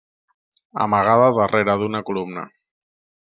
Amagada darrere d’una columna.